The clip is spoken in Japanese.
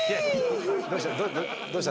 どうした？